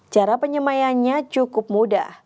cara penyemayannya cukup mudah